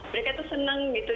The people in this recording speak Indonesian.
mereka tuh seneng gitu